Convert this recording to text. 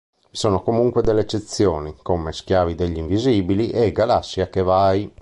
Vi sono comunque delle eccezioni, come "Schiavi degli invisibili" e "Galassia che vai".